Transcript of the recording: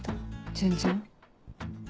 全然。